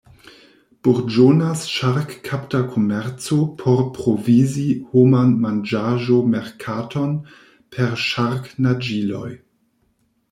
Burĝonas ŝark-kapta komerco por provizi homan manĝaĵo-merkaton per ŝark-naĝiloj.